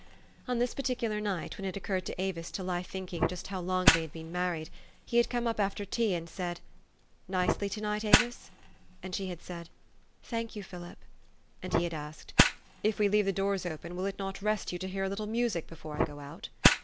On this particular night, when it occurred to Avis to lie thinking just how long they had been married, he had come up after tea and said, " Nicely to night, Avis? " And she had said, " Thank you, Philip !" And he had asked, "If we leave the doors open, will it not rest you to hear a little music before I go out?